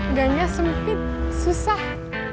udangnya sempit susah